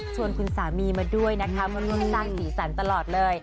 ชวนคุณสามีมาด้วยนะคะเพราะลูกสาวสี่สรรท์ตลอดเลย